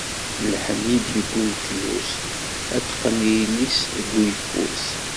Lḥenni i d-yewwi umekyus, ad t-teqqen yelli deg uyeffus.